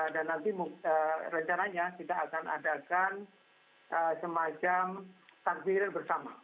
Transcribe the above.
dan nanti rencananya kita akan adakan semacam tanggir bersama